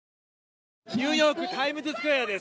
ニューヨーク、タイムズスクエアです。